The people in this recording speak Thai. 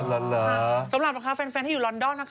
อ๋อเหรอสำหรับคะแฟนที่อยู่ลอนดอน